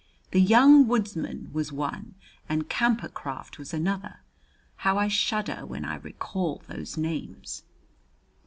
The "Young Woods man" was one and "Camper Craft" was another. How I shudder when I recall those names!